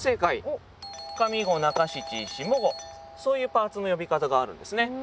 そういうパーツの呼び方があるんですね。